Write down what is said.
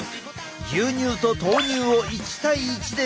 牛乳と豆乳を１対１でブレンド。